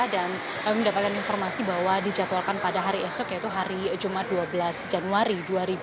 dan mendapatkan informasi bahwa dijadwalkan pada hari esok yaitu hari jumat dua belas januari dua ribu delapan belas